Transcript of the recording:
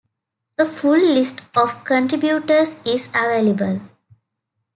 A full list of contributors is available.